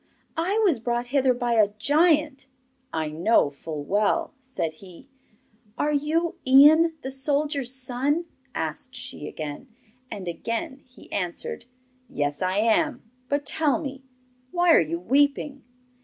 'I was brought hither by a giant.' 'I know full well,' said he. 'Are you Ian, the soldier's son?' asked she again. And again he answered: 'Yes, I am; but tell me, why are you weeping?